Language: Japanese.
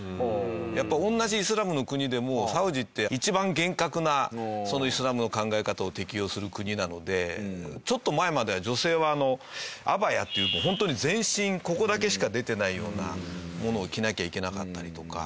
やっぱ同じイスラムの国でもサウジって一番厳格なイスラムの考え方を適用する国なのでちょっと前までは女性はアバヤっていうもうホントに全身ここだけしか出てないようなものを着なきゃいけなかったりとか。